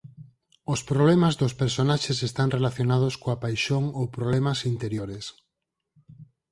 Os problemas dos personaxes están relacionados coa paixón ou problemas interiores.